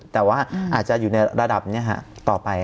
แต่ว่าอาจจะอยู่ในระดับนี้ต่อไป